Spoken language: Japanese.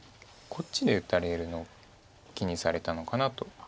こっちで打たれるのを気にされたのかなと。